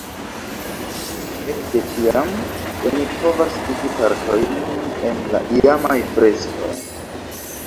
Ekde tiam oni povas vidi partojn el la iamaj freskoj.